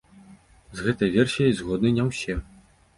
З гэтай версіяй згодны не ўсе.